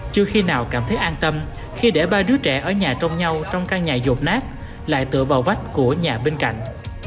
chưa khi nào cảm thấy an tâm khi để ba đứa trẻ ở nhà trong nhau trong căn nhà rột nát lại tựa vào vách của nhà bên cạnh